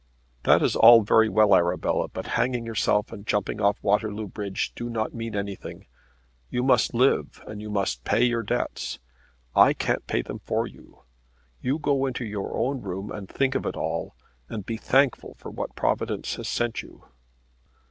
"That is all very well, Arabella, but hanging yourself and jumping off Waterloo Bridge do not mean anything. You must live, and you must pay your debts. I can't pay them for you. You go into your own room, and think of it all, and be thankful for what Providence has sent you."